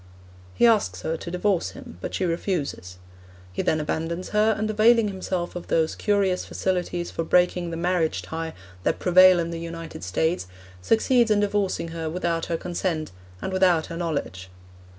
He asks her to divorce him, but she refuses. He then abandons her, and availing himself of those curious facilities for breaking the marriage tie that prevail in the United States, succeeds in divorcing her without her consent, and without her knowledge.